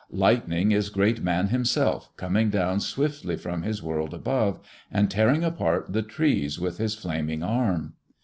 Lightning is Great Man himself coming down swiftly from his world above, and tearing apart the trees with his flaming arm.